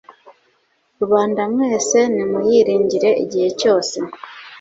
Rubanda mwese nimuyiringire igihe cyose